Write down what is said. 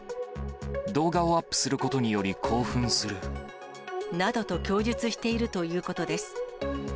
動画をアップすることにより興奮する。などと供述しているということです。